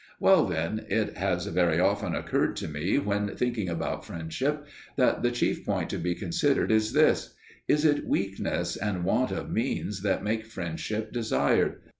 Well, then, it has very often occurred to me when thinking about friendship, that the chief point to be considered was this: is it weakness and want of means that make friendship desired?